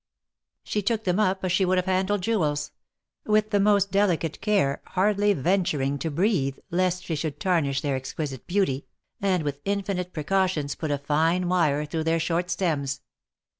She took 12 190 THE MARKETS OF PARIS. .tliem np as slie would have handled jewels — with the most delicate care, hardly venturing to breathe lest she should tarnish their exquisite beauty, and with infinite precau tions put a fine wire through their short stems.